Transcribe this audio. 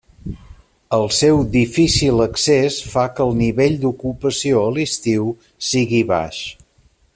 El seu difícil accés fa que el nivell d'ocupació a l'estiu sigui baix.